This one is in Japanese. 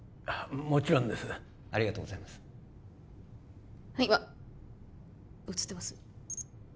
もちろんですありがとうございますはい写ってます